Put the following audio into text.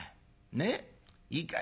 ねっいいかい？